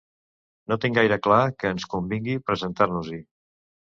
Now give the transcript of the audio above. No tinc gaire clar que ens convingui presentar-nos-hi.